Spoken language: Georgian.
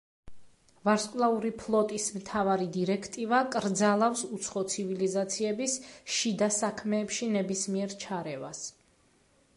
ვარსკვლავური ფლოტის მთავარი დირექტივა კრძალავს უცხო ცივილიზაციების შიდა საქმეებში ნებისმიერ ჩარევას.